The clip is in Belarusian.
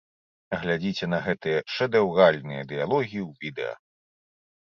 Глядзіце на гэтыя шэдэўральныя дыялогі ў відэа.